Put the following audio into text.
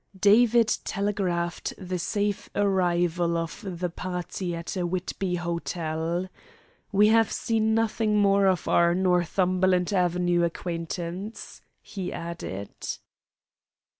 David telegraphed the safe arrival of the party at a Whitby hotel. "We have seen nothing more of our Northumberland Avenue acquaintance," he added.